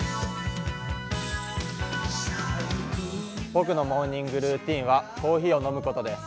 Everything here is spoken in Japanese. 僕のモーニングルーティンはコーヒーを飲むことです。